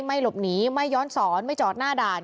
ไม่หลบหนีไม่ย้อนสอนไม่จอดหน้าด่าน